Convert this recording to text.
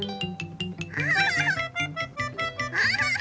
アハハ！